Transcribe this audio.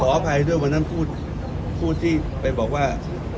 อภัยด้วยวันนั้นพูดที่ไปบอกว่า